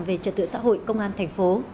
về trật tựa xã hội công an thành phố